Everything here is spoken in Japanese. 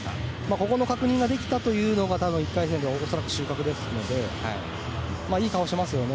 ここの確認ができたというのが１回戦では収穫なのでいい顔をしてますよね